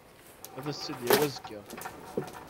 Ad as-t-id-yawi azekka.